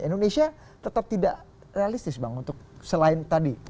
indonesia tetap tidak realistis bang untuk selain tadi